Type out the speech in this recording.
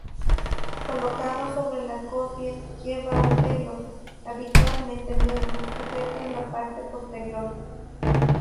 Colocado sobre la cofia, llevaba un velo, habitualmente negro, sujeto en la parte posterior.